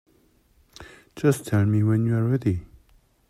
Just tell me when you're ready.